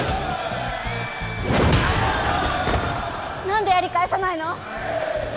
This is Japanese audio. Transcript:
何でやり返さないの？